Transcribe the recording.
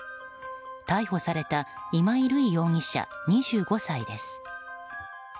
逮捕された今井瑠依容疑者、２５歳です。